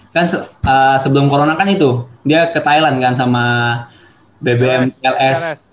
kan sebelum corona kan itu dia ke thailand kan sama bbm ls